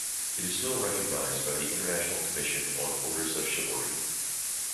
It is still recognised by the International Commission on Orders of Chivalry.